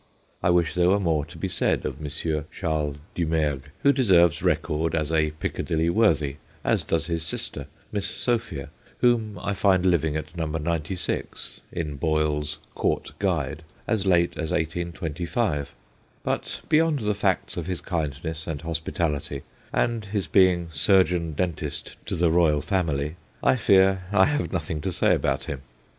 I wish there were more to be said of M. Charles Dumergue, who deserves record as a Piccadilly worthy, as does his sister, Miss Sophia, whom I find living at No. 96, in Boyle's Court Guide, as late as 1825. But beyond the facts of his kindness and hospi tality, and his being surgeon dentist to the royal family, I fear I have nothing to say about him.